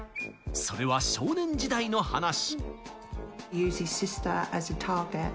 それは少年時代の話。